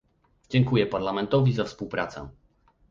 Dziękuję Parlamentowi za współpracę